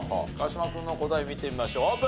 川島君の答え見てみましょう。